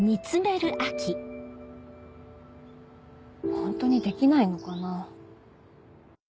ホントにできないのかな。